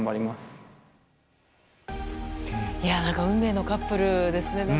運命のカップルですね。